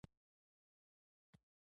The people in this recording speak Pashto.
کاري پلان ترسره کیدونکې دندې لري.